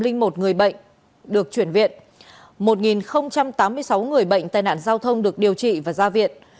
bảy trăm linh một người bệnh được chuyển viện một tám mươi sáu người bệnh tai nạn giao thông được điều trị và ra viện